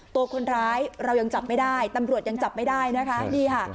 ตัวคนร้ายเรายังจับไม่ได้ตำรวจยังจับไม่ได้นะคะนี่ค่ะ